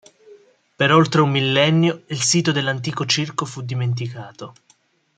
Per oltre un millennio il sito dell'antico circo fu dimenticato.